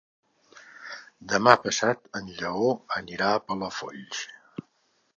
Demà passat en Lleó anirà a Palafolls.